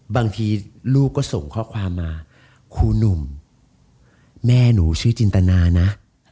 บางทีลูกก็ส่งข้อความมาครูหนุ่มแม่หนูชื่อจินตนานะ